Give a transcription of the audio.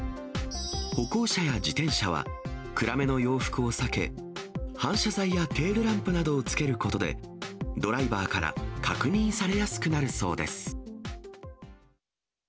歩行者や自転車は、暗めの洋服を避け、反射材やテールランプなどをつけることで、ドライバーから確認さ